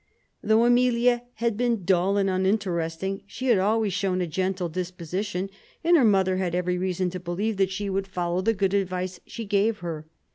Though Amelia had been dull and uninterest ing, she had always shown a gentle disposition, and her mother had every reason to believe that she would follow the good advice she gave her.